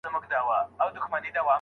ميرمن کله دا حق لري چي غوښتنه وکړي؟